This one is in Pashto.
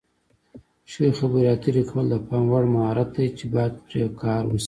ښې خبرې اترې کول د پام وړ مهارت دی چې باید پرې کار وشي.